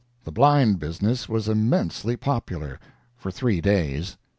The blind business was immensely popular—for three days.